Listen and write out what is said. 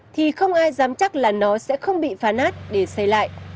thì không ai dám chắc là nó sẽ không bị phá nát để xây lại